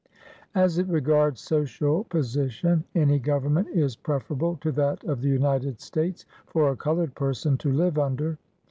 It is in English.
" As it regards social position, any government is pre ferable to that of the United States for a colored person to live under.